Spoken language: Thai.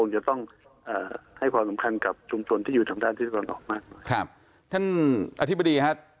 จะให้ความสำคัญคนที่อยู่ทางด้านทิศทวนหนอน